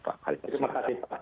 terima kasih pak